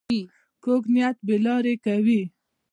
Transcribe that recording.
کوږ نیت بې لارې کوي